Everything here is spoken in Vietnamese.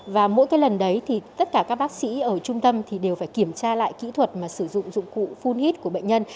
và mỗi lần đấy thì tất cả các bác sĩ ở trung tâm đều phải kiểm tra lại kỹ thuật mà sử dụng dụng cụ full hit của bệnh nhân